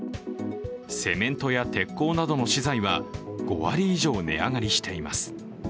セメントや鉄鋼などの資材は５割以上値上がりしています。